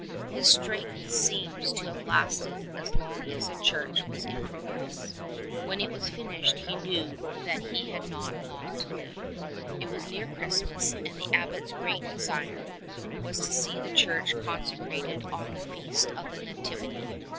His strength seems to have lasted as long as the church was in progress : when it was finished he knew that he had not long to live. It was near Christmas, and the Abbot's great desire was to see the church consecrated on the Feast of the Nativity.